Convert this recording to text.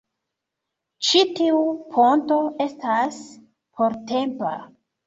Ĉi tiu ponto estas portempa